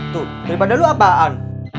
tuh daripada lo apaan